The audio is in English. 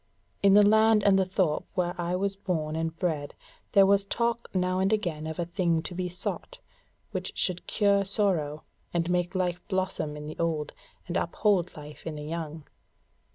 In the land and the thorp where I was born and bred there was talk now and again of a thing to be sought, which should cure sorrow, and make life blossom in the old, and uphold life in the young."